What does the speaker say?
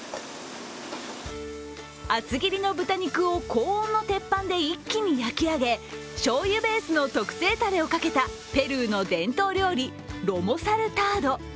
厚切りの豚肉を高温の鉄板で一気に焼き上げしょうゆベースの特製たれをかけたペルーの伝統料理、ロモサルタード。